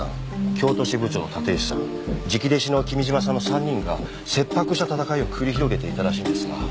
京都支部長の立石さん直弟子の君島さんの３人が切迫した戦いを繰り広げていたらしいんですが。